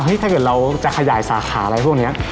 ถ้าเกิดเราจะขยายสาขาอะไรพวกนี้